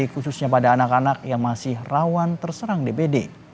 khususnya pada anak anak yang masih rawan terserang dpd